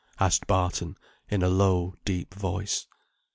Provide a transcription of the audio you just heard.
asked Barton, in a low, deep voice.